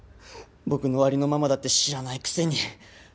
僕のありのままだって知らないくせに。